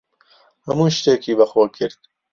هەموو شتێکی بەخۆ کرد.